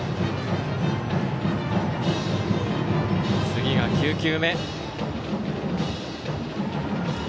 次が９球目。